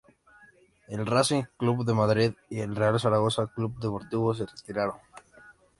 El Racing Club de Madrid y el Real Zaragoza Club Deportivo se retiraron.